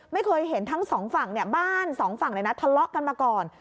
ไม่เคยเห็นทั้งสองฝั่งเนี่ยบ้านสองฝั่งเลยนะทะเลาะกันมาก่อน